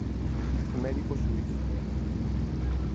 Médico suízo.